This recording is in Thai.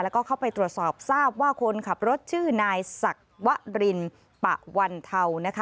แล้วก็เข้าไปตรวจสอบทราบว่าคนขับรถชื่อนายศักวรินปะวันเทานะคะ